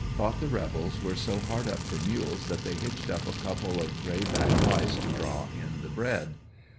Thought the rebels were so hard up for mules that they hitched up a couple of gray back lice to draw in the bread.